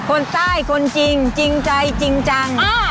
คนใต้คนจริงจริงใจจริงจัง